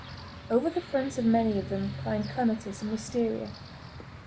Over the fronts of many of them climbed clematis and wisteria.